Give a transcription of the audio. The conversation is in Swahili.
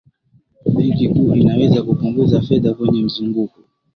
benki kuu inaweza kupunguza fedha kwenye mzunguko